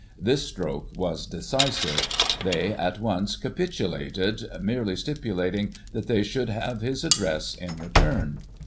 This stroke was decisive ; they, at once, capitulated, merely stipulating that they should have his address in return.